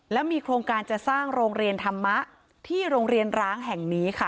และมีโครงการจะสร้างโรงเรียนธรรมะที่โรงเรียนร้างแห่งนี้ค่ะ